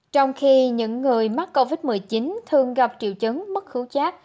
trong khi những người mắc covid một mươi chín thường gặp triệu chấn mất khứu chát